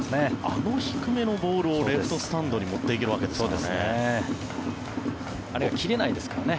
あの低めのボールをレフトスタンドへ持っていけるわけですからね。